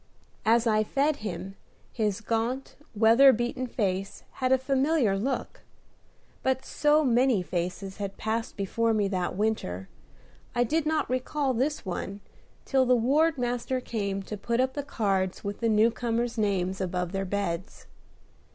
As I fed him, his gaunt, weather beaten face had a familiar look; but so many such faces had passed before me that winter, I did not recall this one till the ward master came to put up the cards with the new comers' names above their beds.